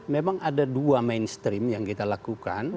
memang ada dua mainstream yang kita lakukan